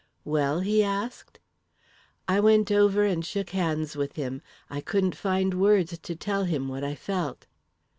"'Well?' he asked. "I went over and shook hands with him I couldn't find words to tell him what I felt.